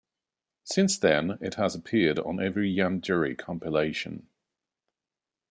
Since then it has appeared on every Ian Dury compilation.